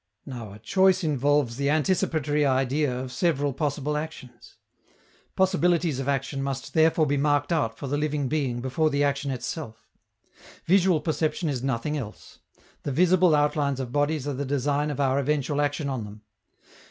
Now a choice involves the anticipatory idea of several possible actions. Possibilities of action must therefore be marked out for the living being before the action itself. Visual perception is nothing else: the visible outlines of bodies are the design of our eventual action on them.